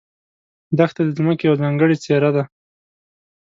دښته د ځمکې یوه ځانګړې څېره ده.